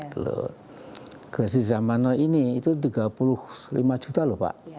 generasi zaman now ini itu tiga puluh lima juta lho pak